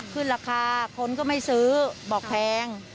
ขึ้นราคาคนก็ไม่ซื้อบอกแพง